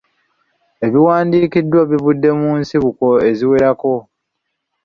Ebiwandiikiddwa bivudde mu nsibuko eziwerako.